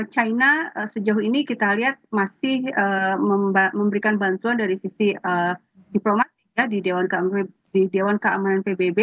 china sejauh ini kita lihat masih memberikan bantuan dari sisi diplomatik ya di dewan keamanan pbb